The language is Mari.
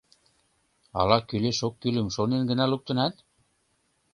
— Ала кӱлеш-оккӱлым шонен гына луктынат?